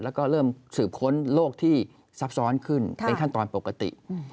แล้วก็เริ่มสืบค้นโรคที่ซับซ้อนขึ้นเป็นขั้นตอนปกติ